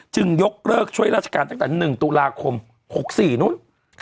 ยกเลิกช่วยราชการตั้งแต่๑ตุลาคม๖๔นู้น